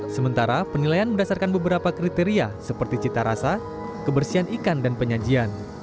sementara penilaian berdasarkan beberapa kriteria seperti cita rasa kebersihan ikan dan penyajian